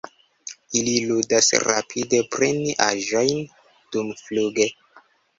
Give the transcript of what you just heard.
Ili ludas rapide preni aĵojn dumfluge.